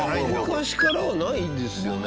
昔からはないですよね？